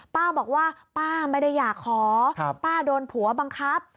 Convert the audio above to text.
ป้าบอกว่าป้าไม่ได้อยากขอป้าโดนผัวบังคับ